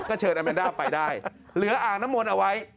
เชิญอาเมนด้าไปได้เหลืออ่างน้ำมนต์เอาไว้